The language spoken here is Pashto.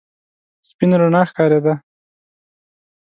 سپينه رڼا ښکارېده.